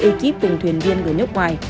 ê kíp từng thuyền viên gửi nước ngoài